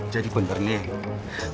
jadi bener nih